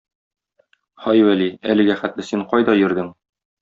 һай, Вәли, әлегә хәтле син кайда йөрдең?